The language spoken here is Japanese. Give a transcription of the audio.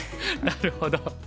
なるほど。